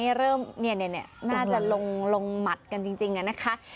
นี่เริ่มเนี่ยน่าจะลงหมัดกันจริงอะนะคะ